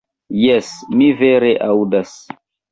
Jes, mi vere aŭdas!